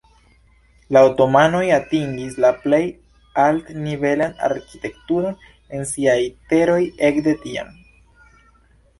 La otomanoj atingis la plej alt-nivelan arkitekturon en siaj teroj ekde tiam.